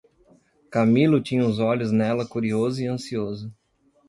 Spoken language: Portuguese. Camilo tinha os olhos nela curioso e ansioso.